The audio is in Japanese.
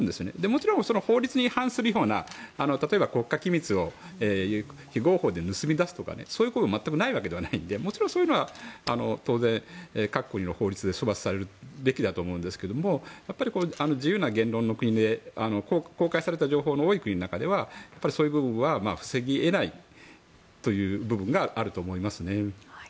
もちろん、法律に違反するような例えば国家機密を非合法で盗み出すとかそういうことが全くないわけではないのでもちろんそういうのは当然各国の法律で処罰されるべきだと思いますが自由な言論の国で公開された情報の多い国の中ではそういう部分は防ぎ得ないという部分があると思いますね。